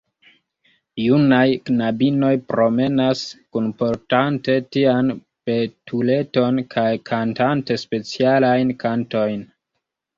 Junaj knabinoj promenas, kunportante tian betuleton kaj kantante specialajn kantojn.